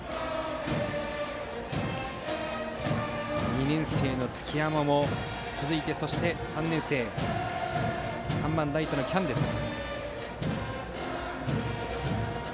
２年生の月山も続いて３年生、３番ライトの喜屋武です。